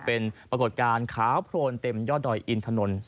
เป็นปรากฏการณ์ขาวโพลนเต็มยอดดอยอินถนน